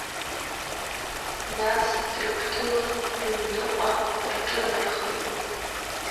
Нас дрыгәҭылак рыҩныҟа рҿынархеит.